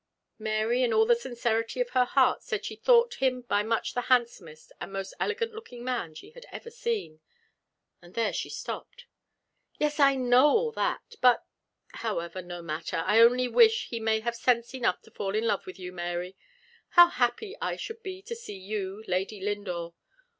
Mary, in all the sincerity of her heart, said she thought him by much the handsomest and most elegant looking man she had ever seen. And there she stopped. "Yes; I know all that. But however, no matter I only wish he may have sense enough to fall in love with you, Mary. How happy I should be to see you Lady Lindore!